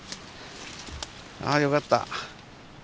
あよかった。